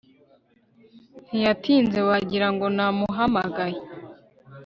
Ntiyatinze wagira ngo namuhamagaye